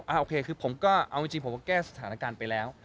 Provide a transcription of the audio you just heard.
โอเคคือผมก็เอาจริงผมก็แก้สถานการณ์ไปแล้ว